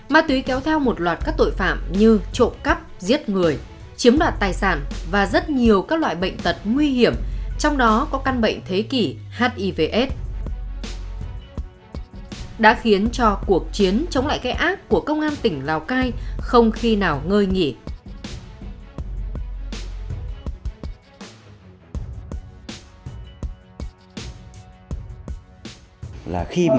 ma túy kéo theo một loạt các tội phạm như trộm cắp giết người chiếm đoạt tài sản và rất nhiều các loại bệnh tật nguy hiểm trong đó có căn bệnh thế kỷ hivs đã khiến cho cuộc chiến chống lại cái ác của công an tỉnh lào cai không khi nào ngơi nghỉ